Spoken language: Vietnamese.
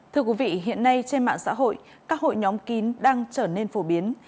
thưa quý vị hiện nay trên mạng xã hội các hội nhóm kín đang trở nên phổ biến